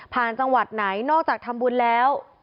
จังหวัดไหนนอกจากทำบุญแล้ว